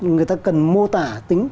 người ta cần mô tả tính